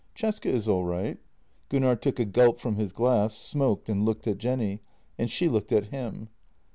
" Cesca is all right." Gunnar took a gulp from his glass, smoked, and looked at Jenny, and she looked at him.